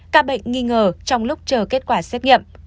ca bệnh nghi ngờ trong lúc chờ kết quả xét nghiệm